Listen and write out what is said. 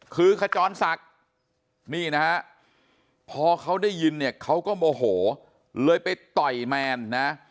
คือขจรศักดิ์นี่นะฮะพอเขาได้ยินเนี่ยเขาก็โมโหเลยไปต่อยแมนนะ